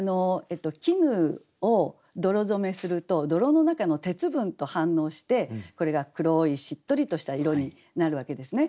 絹を泥染めすると泥の中の鉄分と反応してこれが黒いしっとりとした色になるわけですね。